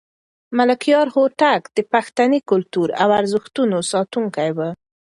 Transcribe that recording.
ملکیار هوتک د پښتني کلتور او ارزښتونو کلک ساتونکی و.